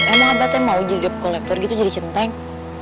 emang abah neng mau jadi dek kolektor gitu jadi centeng